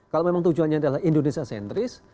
kalau memang tujuannya adalah indonesia sentris